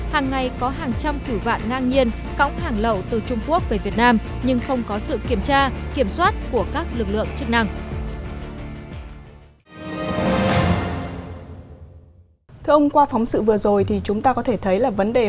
hàng ngày có hàng trăm thủ vạn ngang nhiên cõng hàng lậu từ trung quốc về việt nam nhưng không có sự kiểm tra kiểm soát của các lực lượng chức năng